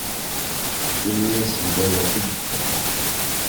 Ini-asen ad as-t-id-fken.